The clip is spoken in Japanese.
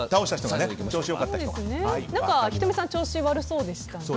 仁美さん、調子悪そうでしたね。